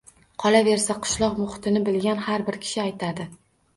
Qolaversa, qishloq muhitini bilgan har bir kishi aytadi